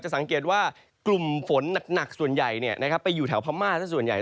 สังเกตว่ากลุ่มฝนหนักส่วนใหญ่ไปอยู่แถวพม่าสักส่วนใหญ่